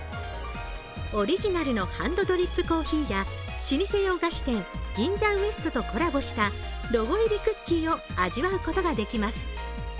オリジナルのハンドドリップコーヒーや老舗洋菓子店銀座ウエストとコラボしたロゴ入りクッキーを味わうことができます。